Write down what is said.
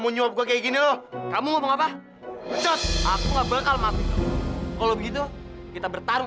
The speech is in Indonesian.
mau nyobol kayak gini loh kamu ngomong apa aku nggak bakal mati kalau begitu kita bertarung